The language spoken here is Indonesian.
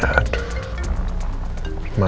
soalnya aku takut salah ngomong